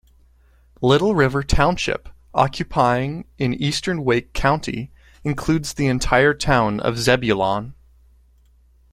Little River Township, occupying in eastern Wake County, includes the entire town of Zebulon.